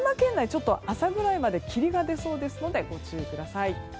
ちょっと朝ぐらいまで霧が出そうですのでご注意ください。